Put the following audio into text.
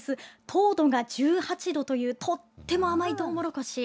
糖度が１８度というとっても甘いトウモロコシ。